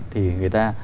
thì người ta